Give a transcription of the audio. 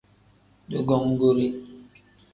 Dugongoore.